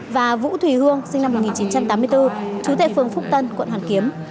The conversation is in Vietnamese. và vũ thùy hương sinh năm một nghìn chín trăm tám mươi bốn trú tại phường phúc tân quận hoàn kiếm